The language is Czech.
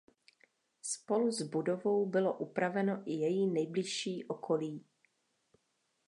Spolu s budovou bylo upraveno i její nejbližší okolí.